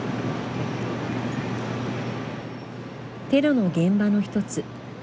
テロの現場の一つ